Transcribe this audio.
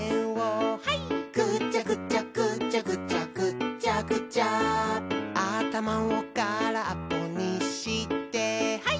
「ぐちゃぐちゃぐちゃぐちゃぐっちゃぐちゃ」「あたまをからっぽにしてハイ！」